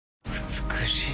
美しい。